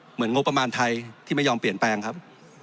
เหมือนงบประมาณไทยที่ไม่ยอมเปลี่ยนแปลงครับ